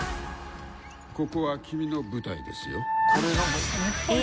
「ここは君の舞台ですよ」